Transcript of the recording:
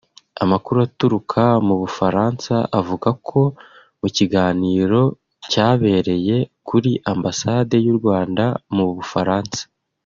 Amakuru aturuka mu Bufaransa avuga ko mu kiganiro cyabereye kuri ambasade y’u Rwanda mu Bufaransa